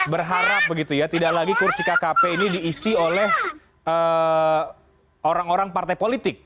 berharap begitu ya tidak lagi kursi kkp ini diisi oleh orang orang partai politik